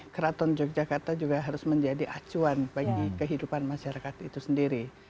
keraton yogyakarta juga harus menjadi acuan bagi kehidupan masyarakat itu sendiri